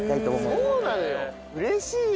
そうなのよ！